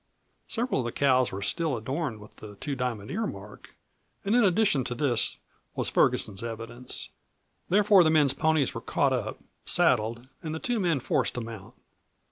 Several of the cows were still adorned with the Two Diamond ear mark, and in addition to this was Ferguson's evidence. Therefore the men's ponies were caught up, saddled, and the two men forced to mount.